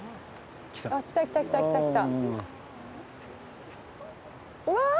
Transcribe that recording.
あっ来た来た来た来た来た。